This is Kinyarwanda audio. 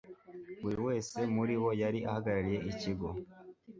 buri wese muri bo yari ahagarariye ikigo